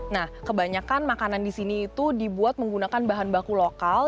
nah kebanyakan makanan di sini itu dibuat menggunakan bahan baku lokal